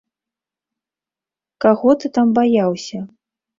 Каго ты там баяўся?